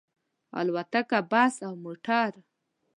الوتکه، بس او موټر